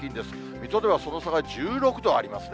水戸ではその差が１６度ありますね。